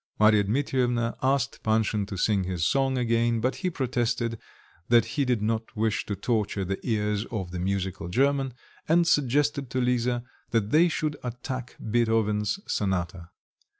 Marya Dmitrievna asked Panshin to sing his song again; but he protested that he did not wish to torture the ears of the musical German, and suggested to Lisa that they should attack Beethoven's sonata.